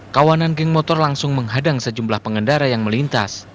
kawanan geng motor langsung menghadang sejumlah pengendara yang melintas